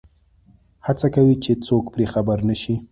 هڅه کوي چې څوک پرې خبر نه شي.